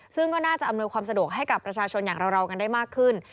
ซึ่งก็น่าจะอำนวยความสะดวกให้กับประชาชนอย่างเรากันได้มากขึ้น